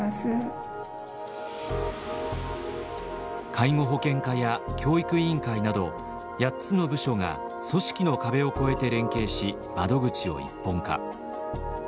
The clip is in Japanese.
介護保険課や教育委員会など８つの部署が組織の壁を越えて連携し窓口を一本化。